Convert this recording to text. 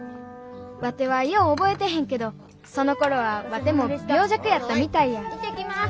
ワテはよう覚えてへんけどそのころはワテも病弱やったみたいや行ってきます！